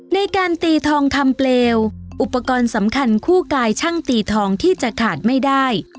ในการตีทองคำเปลวอุปกรณ์สำคัญคู่กายช่างตีทองที่จะขาดไม่ได้